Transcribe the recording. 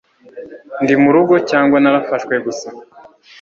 ndi murugo cyangwa narafashwe gusa